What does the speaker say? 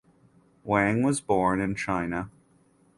Wang was born in China.